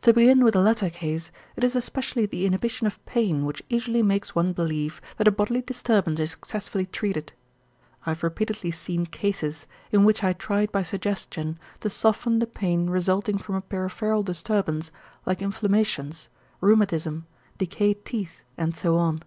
To begin with the latter case, it is especially the inhibition of pain which easily makes one believe that a bodily disturbance is successfully treated. I have repeatedly seen cases in which I tried by suggestion to soften the pain resulting from a peripheral disturbance like inflammations, rheumatism, decayed teeth and so on.